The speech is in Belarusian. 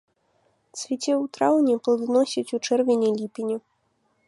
Цвіце ў траўні, пладаносіць у чэрвені-ліпені.